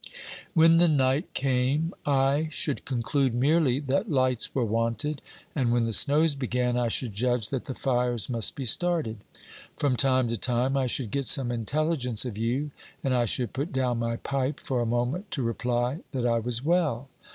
When the night came I should conclude merely that lights were wanted, and when the snows began I should judge that the fires must be started. From time to time I should get some intelligence of you, and I should put down my pipe for a moment to reply that I was well.